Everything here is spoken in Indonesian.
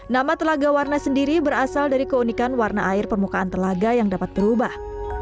nama telaga warna sendiri berasal dari keunikan warna air permukaan telaga yang dapat berubah